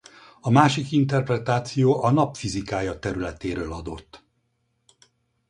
A másik interpretáció a nap fizikája területéről adott.